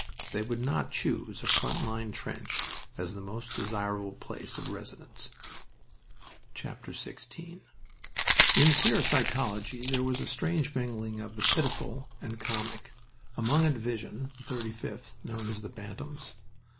They would not choose a front line trench as the most desirable place of residence. XVI In queer psychology there was a strange mingling of the pitiful and comic among a division (the 35th) known as the Bantams.